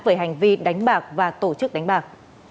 về hành vi đánh bạc và tổ chức đánh bạc